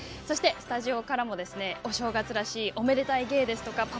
そして、スタジオからもお正月らしいおめでたい芸ですとか